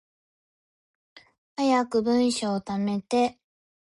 早く文章溜めて